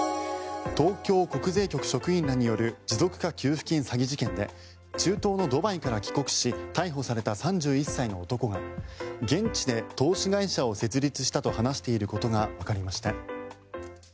東京国税局職員らによる持続化給付金詐欺事件で中東のドバイから帰国し逮捕された３１歳の男が現地で投資会社を設立したと話していることがわかりました。